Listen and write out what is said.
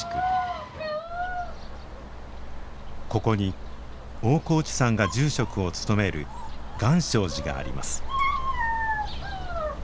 ここに大河内さんが住職を務める願生寺があります。